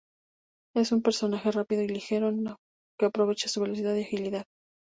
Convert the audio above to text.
Es un personaje rápido y ligero, que aprovecha su velocidad y agilidad.